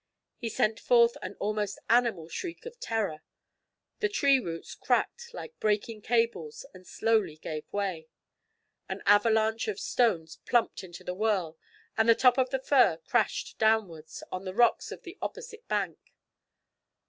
He sent forth an almost animal shriek of terror. The tree roots cracked like breaking cables and slowly gave way, an avalanche of stones plumped into the whirl, and the top of the fir crashed downwards on the rocks of the opposite bank.